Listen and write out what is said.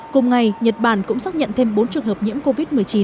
cùng ngày nhật bản cũng xác nhận thêm bốn trường hợp nhiễm covid một mươi chín